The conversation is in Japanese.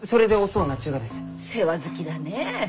世話好きだねえ。